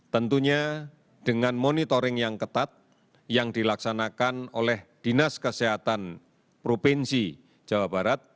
tentunya dengan monitoring yang ketat yang dilaksanakan oleh dinas kesehatan provinsi jawa barat